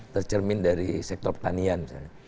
tercermin dari sektor petanian